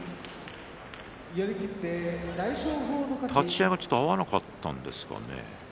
立ち合いが合わなかったんですかね。